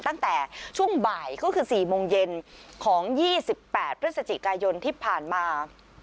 ตั้งแต่ช่วงบ่ายก็คือ๔โมงเย็นของ๒๘พฤศจิกายนที่ผ่านมา